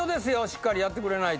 しっかりやってくれないと。